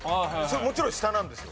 もちろん下なんですよ。